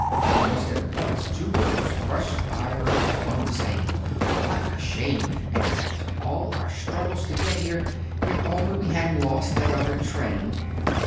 Almost at once two girls brushed by her, and one was saying: "What a shame! and after all our struggles to get here! If only we hadn't lost that other train!"